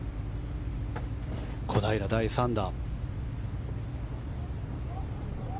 小平、第３打。